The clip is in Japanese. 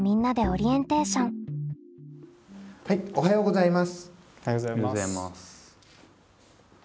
おはようございます。